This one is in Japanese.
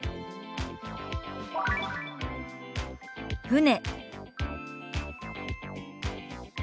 「船」。